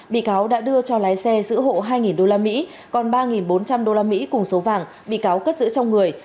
bị cáo đã đưa cho lái xe giữ hộ hai đô la mỹ còn ba bốn trăm linh đô la mỹ cùng số vàng bị cáo cất giữ trong người